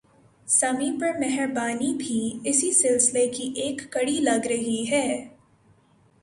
سمیع پر مہربانی بھی اسی سلسلے کی ایک کڑی لگ رہی ہے